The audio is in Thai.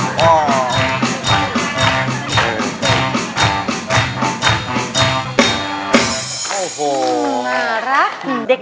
โอ้โหน่ารัก